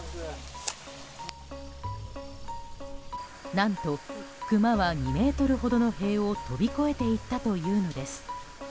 何と、クマは２ｍほどの塀を飛び越えていったというのです。